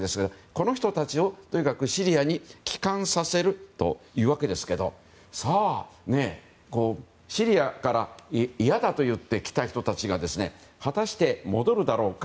この人たちを、シリアに帰還させるというわけですがさあ、シリアから嫌だと言って来た人たちが果たして、戻るかどうか。